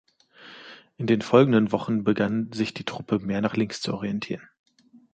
In den folgenden Wochen begann sich die Truppe mehr nach links zu orientieren.